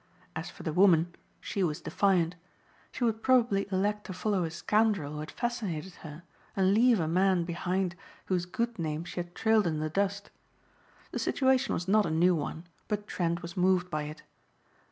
As for the woman she was defiant. She would probably elect to follow a scoundrel who had fascinated her and leave a man behind whose good name she had trailed in the dust. The situation was not a new one but Trent was moved by it.